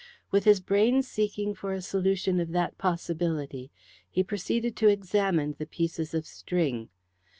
With his brain seeking for a solution of that possibility, he proceeded to examine the pieces of string.